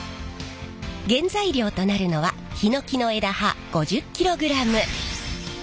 原材料となるのはヒノキの枝葉５０キログラム。